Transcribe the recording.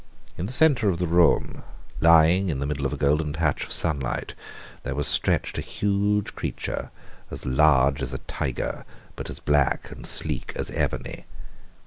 In the centre of this room, lying in the middle of a golden patch of sunlight, there was stretched a huge creature, as large as a tiger, but as black and sleek as ebony.